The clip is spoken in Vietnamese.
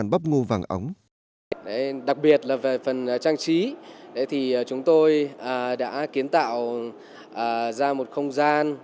bắp ngô vàng ống